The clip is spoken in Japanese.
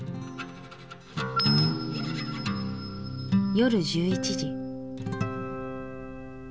夜１１時。